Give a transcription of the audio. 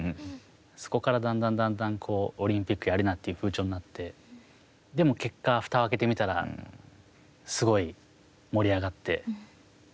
そこからだんだんだんだんオリンピックやるなって風潮になってでも、結果、ふたを開けてみたらすごい盛り上がって。